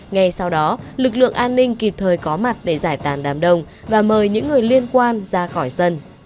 ngay sau đó lực lượng an ninh kịp thời có mặt để giải tàn đám đông và mời những người liên quan ra khỏi sân